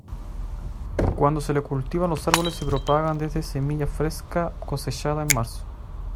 Cuando se le cultiva, los árboles se propagan desde semilla fresca cosechada en marzo.